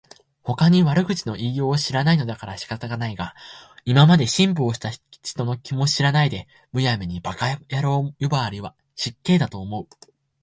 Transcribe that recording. ほかに悪口の言いようを知らないのだから仕方がないが、今まで辛抱した人の気も知らないで、無闇に馬鹿野郎呼ばわりは失敬だと思う